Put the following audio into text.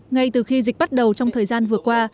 ngay từ khi dịch bắt đầu trong thời gian vừa qua